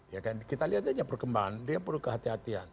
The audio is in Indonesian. ya kan kita lihat aja perkembangan dia penuh kehati hatian